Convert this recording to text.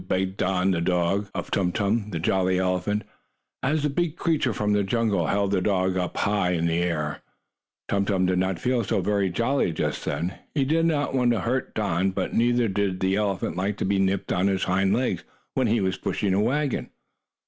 begged Don, the dog, of Tum Tum, the jolly elephant, as the big creature from the jungle held the dog high up in the air. Tum Tum did not feel so very jolly just then. He did not want to hurt Don, but neither did the elephant like to be nipped on his hind legs, when he was pushing a wagon.